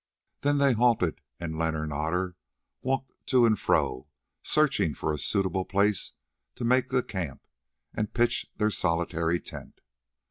Then they halted, and Leonard and Otter walked to and fro searching for a suitable place to make the camp and pitch their solitary tent.